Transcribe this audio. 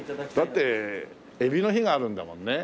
だって海老の碑があるんだもんね。